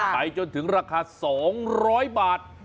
ไปจนถึงราคา๒๐๐บาท